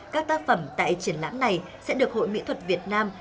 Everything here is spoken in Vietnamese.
các tác phẩm tại triển lãm này sẽ được hội mỹ thuật việt nam